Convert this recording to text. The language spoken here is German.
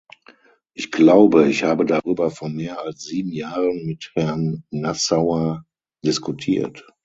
Ich glaube, ich habe darüber vor mehr als sieben Jahren mit Herrn Nassauer diskutiert.